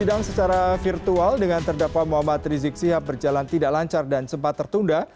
sidang secara virtual dengan terdakwa muhammad rizik sihab berjalan tidak lancar dan sempat tertunda